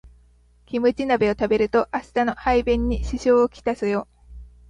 キムチ鍋食べると明日の排便に支障をきたすよ